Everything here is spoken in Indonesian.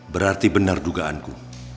berarti benar dugaanku